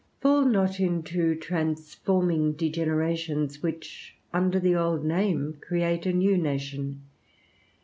Fall not into transforming degenerations, which under the old name create a new nation.